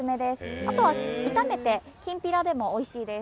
あとは炒めてきんぴらでもおいしいです。